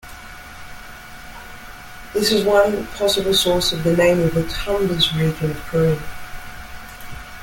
This is one possible source of the name of the Tumbes region of Peru.